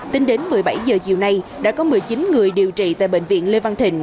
tính đến một mươi bảy giờ chiều nay đã có một mươi chín người điều trị tại bệnh viện lê văn thịnh